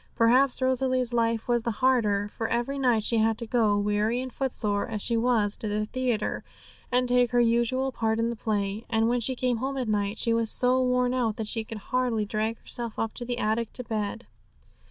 Perhaps Rosalie's life was the harder, for every night she had to go, weary and footsore as she was, to the theatre, and take her usual part in the play. And when she came home at night, she was so worn out that she could hardly drag herself up to the attic to bed.